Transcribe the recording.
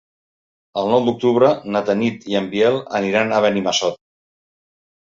El nou d'octubre na Tanit i en Biel aniran a Benimassot.